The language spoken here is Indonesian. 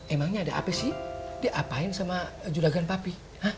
emangnya ada apa sih dia apain sama judagan papi